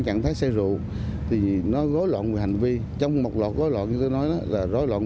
trạng thái xe rượu thì nó gối loạn về hành vi trong một loạt gối loạn như tôi nói là gối loạn